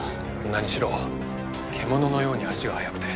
何しろ獣のように足が速くて。